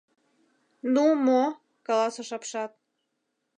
— Ну, мо, — каласыш апшат.